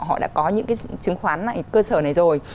họ đã có những cái chứng khoán cơ sở này rồi